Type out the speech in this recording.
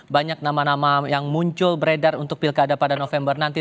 banyak nama nama yang muncul beredar untuk pilkada pada november nanti